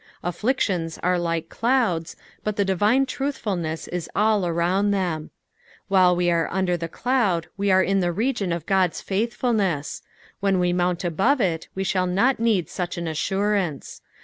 Afflictions ore like clouda, but the divine truthfulness is all around tbetn. While we an under the cloud we are in tbe region of Sod's faithfulness ; when we mount above it we shall not need such an assurance.